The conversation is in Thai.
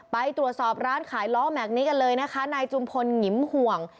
ไปตรวจสอบร้านขายล้อแม็กซนี้กันเลยนะคะนายจุมพลหงิมห่วง